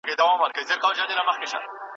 نصيب تقدير مې له تا لرې ګرځوينه